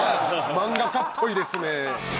漫画家っぽいですね